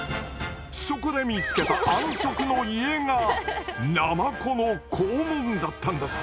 そこで見つけた安息の家がナマコの肛門だったんです。